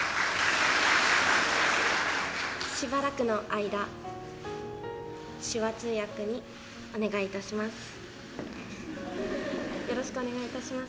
しばらくの間、手話通訳にお願いいたします。